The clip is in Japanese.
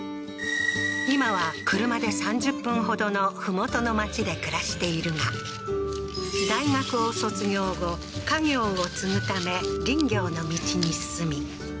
今は車で３０分ほどの麓の町で暮らしているが大学を卒業後家業を継ぐため林業の道に進み